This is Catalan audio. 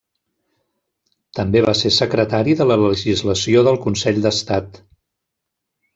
També va ser secretari de la legislació del Consell d'Estat.